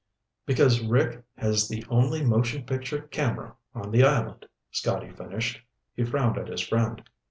"Because Rick has the only motion picture camera on the island," Scotty finished. He frowned at his friend.